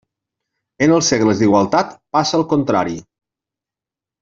En els segles d'igualtat passa el contrari.